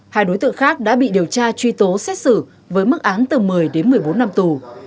hai đối tượng khác đã bị điều tra truy tố xét xử với mức án từ một mươi đến một mươi bốn năm tù